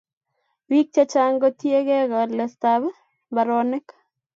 Piik chechang' ko tiegei kolest ab mbaronik